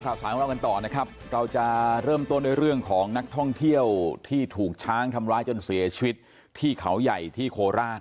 ข่าวสารของเรากันต่อนะครับเราจะเริ่มต้นด้วยเรื่องของนักท่องเที่ยวที่ถูกช้างทำร้ายจนเสียชีวิตที่เขาใหญ่ที่โคราช